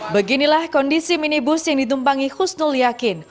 beginilah kondisi minibus yang ditumpangi husnul yakin